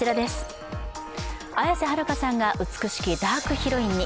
綾瀬はるかさんが美しきダークヒロインに。